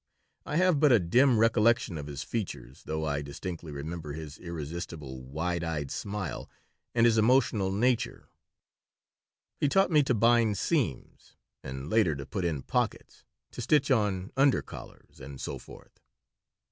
I have but a dim recollection of his features, though I distinctly remember his irresistible wide eyed smile and his emotional nature He taught me to bind seams, and later to put in pockets, to stitch on "under collars," and so forth.